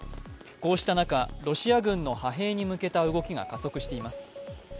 こうした中、ロシア軍の派兵に向けた動きが加速しています。